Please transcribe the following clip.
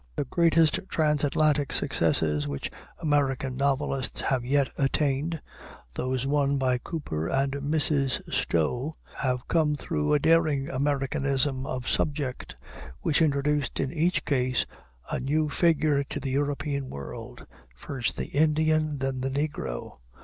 The greatest transatlantic successes which American novelists have yet attained those won by Cooper and Mrs. Stowe have come through a daring Americanism of subject, which introduced in each case a new figure to the European world, first the Indian, then the negro.